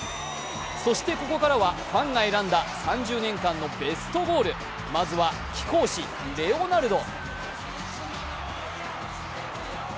そして、ここからはファンが選んだ３０年間のベストゴール、まずは貴公子レオナルド。